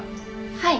はい。